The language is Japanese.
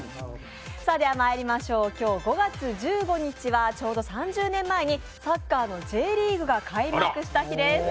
ではまいりましょう、今日５月１５日はちょうど３０年前に、サッカーのＪリーグが開幕した日です。